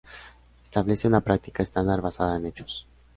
Establece una práctica estándar basada en hechos.